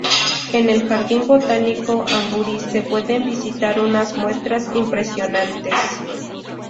En el Jardín Botánico Hanbury se pueden visitar unas muestras impresionantes.